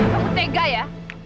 kamu tega ya